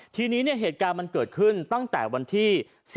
ทีนี้เหตุการณ์มันเกิดขึ้นตั้งแต่วันที่๑๔